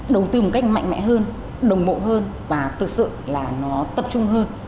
đầu tư một cách mạnh mẽ hơn đồng bộ hơn và thực sự là nó tập trung hơn